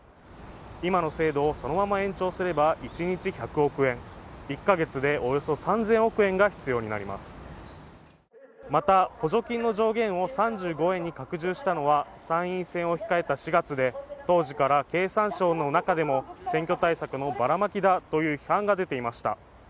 今の制度をそのまま延長すれば１日１００億円１か月でおよそ３０００億円が必要になりますまた補助金の上限を３５円に拡充したのは参院選を控えた４月で当時から経産省の中でも選挙対策のばらまきだという批判が出ていました